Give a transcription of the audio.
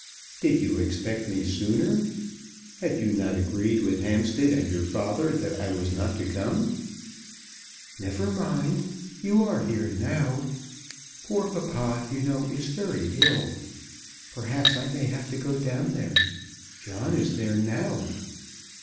"Did you expect me sooner? Had you not agreed with Hampstead and your father that I was not to come?" "Never mind. You are here now. Poor papa, you know, is very ill. Perhaps I may have to go down there. John is there now."